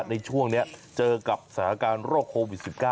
ในช่วงนี้เจอกับสถานการณ์โรคโควิด๑๙